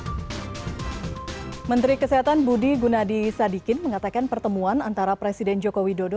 menteri kesehatan budi gunadi sadikin mengatakan pertemuan antara presiden joko widodo